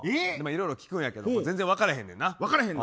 いろいろ聞くんやけどね全然分からへんねん。